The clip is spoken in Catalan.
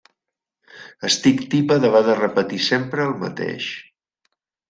Estic tipa d'haver de repetir sempre el mateix.